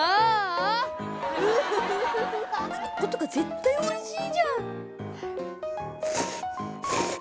こことか絶対おいしいじゃん！